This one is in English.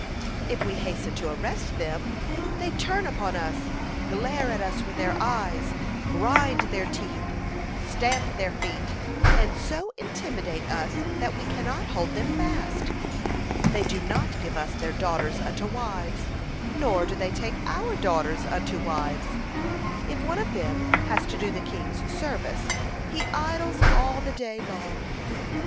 If we hasten to arrest them, they turn upon us, glare at us with their eyes, grind their teeth, stamp their feet, and so intimidate us that we cannot hold them fast. They do not give us their daughters unto wives, nor do they take our daughters unto wives. If one of them has to do the king's service, he idles all the day long.